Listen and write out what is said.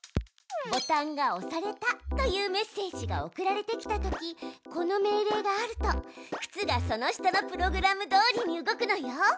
「ボタンがおされた」というメッセージが送られてきたときこの命令があるとくつがその下のプログラムどおりに動くのよ。